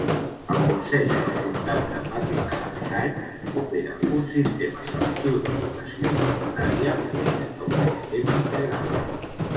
El consell del comtat de Buckinghamshire opera un sistema selectiu d'educació secundària, més que un sistema integral.